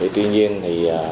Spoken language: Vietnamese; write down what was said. tuy nhiên thì